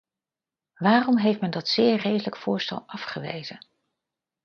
Waarom heeft men dat zeer redelijk voorstel afgewezen?